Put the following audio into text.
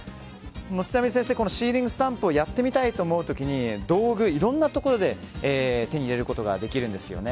ちなみに先生シーリングスタンプをやってみたいと思う時に道具、いろいろなところで手に入れることができるんですよね。